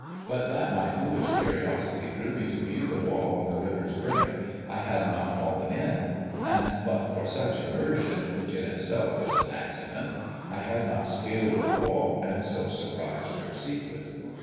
" But that my foolish curiosity drew me to view the wall on the river's brink, I had not fallen in; and but for such immersion, which in itself was an accident, I had not scaled the wall, and so surprised your secret."